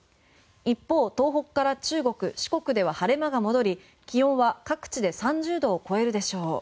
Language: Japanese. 一方、東北から中国、四国では晴れ間が戻り、気温は各地で３０度を超えるでしょう。